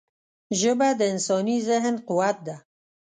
ژبه د انساني ذهن قوت ده